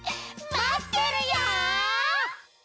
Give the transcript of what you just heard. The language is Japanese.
まってるよ！